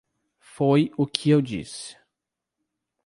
Foi o que eu disse.